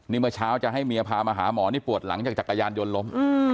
นี่เมื่อเช้าจะให้เมียพามาหาหมอนี่ปวดหลังจากจักรยานยนต์ล้ม